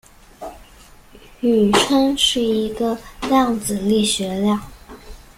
宇称是一个量子力学量。